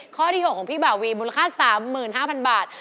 ข้อที่๖ของพี่บ่าวีมูลค่า๓๕๐๐๐บาท